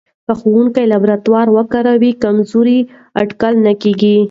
که ښوونکی لابراتوار وکاروي، کمزوری اټکل نه کېږي.